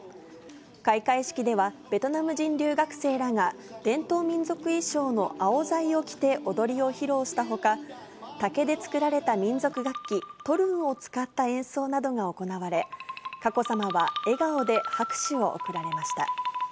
開会式では、ベトナム人留学生らが伝統民族衣装のアオザイを着て踊りを披露したほか、竹で作られた民俗楽器、トルンを使った演奏などが行われ、佳子さまは笑顔で拍手を送られました。